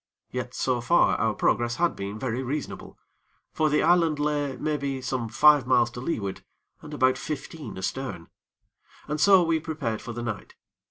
Yet, so far, our progress had been very reasonable; for the island lay, maybe, some five miles to leeward, and about fifteen astern. And so we prepared for the night.